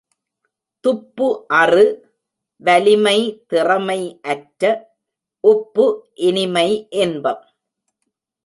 துப்பு அறு—வலிமை திறமை அற்ற, உப்பு—இனிமை, இன்பம்.